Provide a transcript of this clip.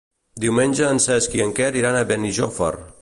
Diumenge en Cesc i en Quer iran a Benijòfar.